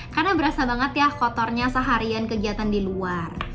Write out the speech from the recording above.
karena berasa banget ya kotornya seharian kegiatan di luar